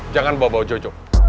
jangan bawa bawa jojo